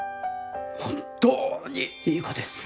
本当にいい子です。